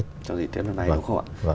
trong dịp tết năm nay đúng không ạ